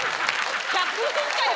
１００円かよ。